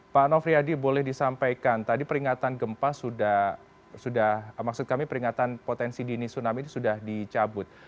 pak nofriyadi boleh disampaikan tadi peringatan gempa sudah maksud kami peringatan potensi dini tsunami ini sudah dicabut